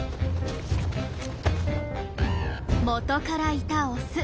元からいたオス。